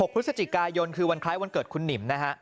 พฤศจิกายนคือวันคล้ายวันเกิดคุณหนิมนะฮะ